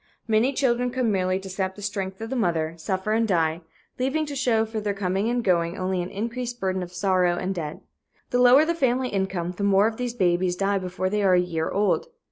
Many children come merely to sap the strength of the mother, suffer and die, leaving to show for their coming and going only an increased burden of sorrow and debt. The lower the family income, the more of these babies die before they are a year old.